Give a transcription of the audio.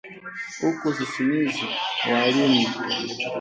Huku sisimizi walimu